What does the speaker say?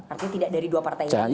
artinya tidak dari dua partai ini